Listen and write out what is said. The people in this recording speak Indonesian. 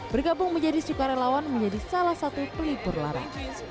bergabung menjadi sukarelawan menjadi salah satu pelipur larang